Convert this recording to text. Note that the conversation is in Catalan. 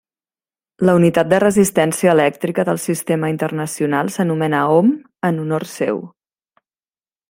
La unitat de resistència elèctrica del Sistema Internacional s'anomena ohm en honor seu.